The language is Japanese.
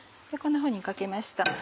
こんなふうにかけました。